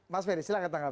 mas ferry silahkan tanggapi